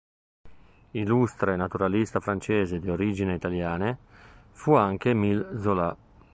Illustre naturalista francese di origine italiane fu anche Émile Zola.